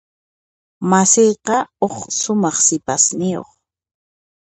Masiyqa huk sumaq sipasniyuq.